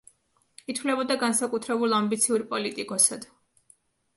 ითვლებოდა განსაკუთრებულ ამბიციურ პოლიტიკოსად.